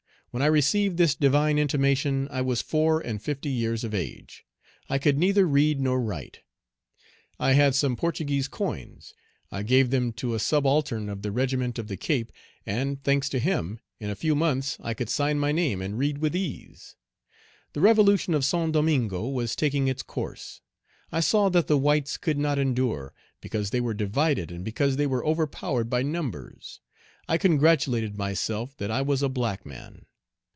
When I received this Divine intimation I was four and fifty years of age; I could neither read nor write; I had some Portuguese coins; I gave them to a subaltern of the regiment of the Cape, and, thanks to him, in a few months I could sign my name and read with ease. The revolution of Saint Domingo was taking its course. I saw that the whites could not endure, because they were divided and because they were overpowered by numbers; I congratulated myself that I was a black man.